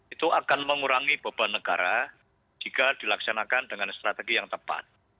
itu akan mengurangi beban negara jika dilaksanakan dengan strategi yang tepat